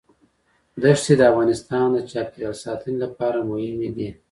دښتې د افغانستان د چاپیریال ساتنې لپاره مهم دي.